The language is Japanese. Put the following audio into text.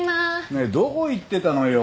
ねえどこ行ってたのよ？